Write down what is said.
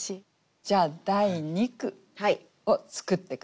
じゃあ第二句を作って下さい。